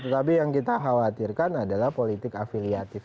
tetapi yang kita khawatirkan adalah politik afiliatif